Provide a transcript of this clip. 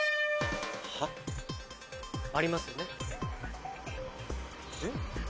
はっ？ありますよね。